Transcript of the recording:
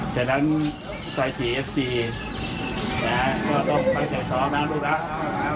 ฉะนั้นใส่สีเอฟซีนะฮะก็ต้องตั้งแต่สองน้ำลูกน้ำ